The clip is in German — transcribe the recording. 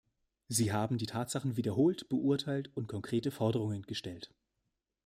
Sie haben die Tatsachen wiederholt, beurteilt und konkrete Forderungen gestellt.